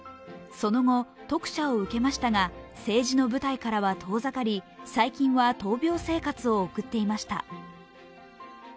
その後、特赦を受けましたが、政治の舞台からは遠ざかり、最近は闘病生活を送っていました。